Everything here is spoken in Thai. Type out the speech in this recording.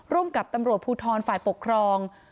กับตำรวจภูทรฝ่ายปกครอง